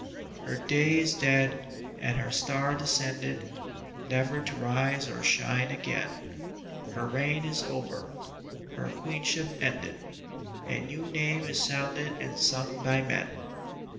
Her day is dead and her star descended Never to rise or shine again; Her reign is over her Queenship ended A new name is sounded and sung by men.